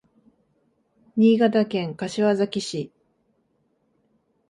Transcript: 新潟県柏崎市